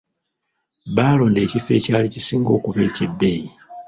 Baalonda ekifo ekyali kisinga okuba eky'ebbeyi.